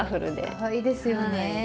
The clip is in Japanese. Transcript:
かわいいですよね。